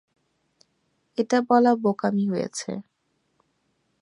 এটা বলা বোকামি হয়েছে।